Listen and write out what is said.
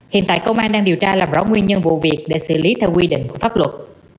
hiện tại công an đang điều tra làm rõ nguyên nhân vụ việc để xử lý theo quy định của pháp luật